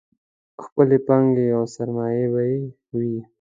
خپلې پانګې او سرمایې به یې وې.